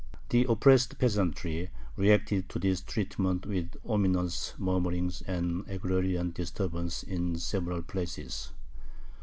The oppressed peasantry reacted to this treatment with ominous murmurings and agrarian disturbances in several places.